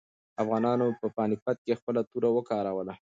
افغانانو په پاني پت کې خپله توره وکاروله.